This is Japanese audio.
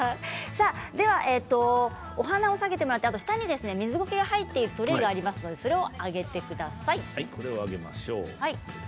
お花を下げてもらって下に水ゴケが入っているトレーがありますのでそれを上げてください。